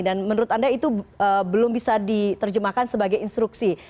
dan menurut anda itu belum bisa diterjemahkan sebagai instruksi